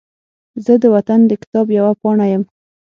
زه د وطن د کتاب یوه پاڼه یم